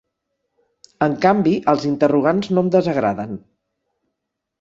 En canvi, els interrogants no em desagraden.